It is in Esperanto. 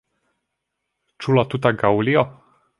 Ĉu la tuta Gaŭlio?